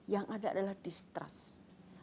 yang ada adalah distrust